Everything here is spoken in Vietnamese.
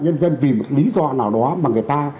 nhân dân vì một lý do nào đó mà người ta